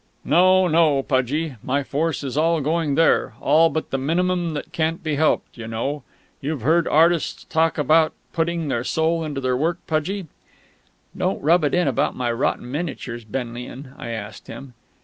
"No, no, Pudgie. My force is all going there all but the minimum that can't be helped, you know.... You've heard artists talk about 'putting their soul into their work,' Pudgie?" "Don't rub it in about my rotten miniatures, Benlian," I asked him.